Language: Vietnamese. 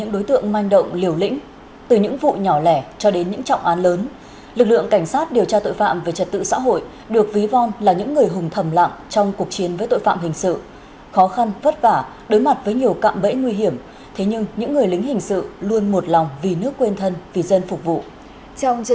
đối tượng chính trong chuyên án một mươi bánh ma túy đã được công an tỉnh lào cai triệt phá